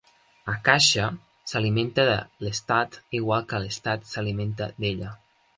Akasha s'alimenta de Lestat igual que Lestat s'alimenta d'ella.